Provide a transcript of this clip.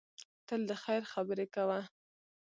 تل د خیر خبرې کوه.